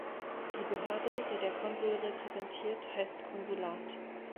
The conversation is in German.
Die Behörde, die der Konsul repräsentiert, heißt Konsulat.